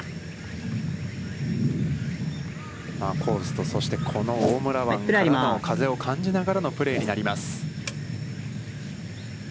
コースと、そしてこの大村湾からの風を感じながらのプレーになります。